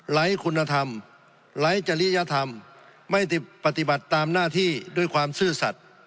ไร้คุณธรรมไร้จริยธรรมไม่ปฏิบัติตามหน้าที่ด้วยความซื่อสัตว์